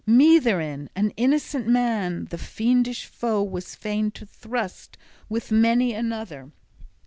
Me therein, an innocent man, the fiendish foe was fain to thrust with many another.